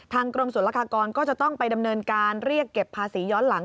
กรมศุลกากรก็จะต้องไปดำเนินการเรียกเก็บภาษีย้อนหลัง